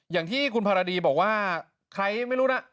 อย่างที่คุณภารดีบอกว่าใครไม่รู้นะ